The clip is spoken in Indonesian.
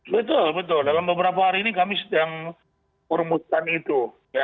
betul betul dalam beberapa hari ini kami sedang permuskan itu